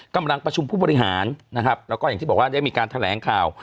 กำลังประชุมผู้บริหารนะครับแล้วก็อย่างที่บอกว่าได้มีการแถลงข่าว